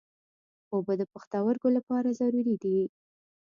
اوبه د پښتورګو لپاره ضروري دي.